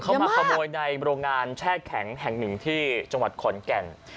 เขามาขโมยในโรงงานแช่แข็งแห่งหนึ่งที่จังหวัดขอนแก่น